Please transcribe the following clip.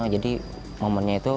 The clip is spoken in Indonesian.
jadi momennya itu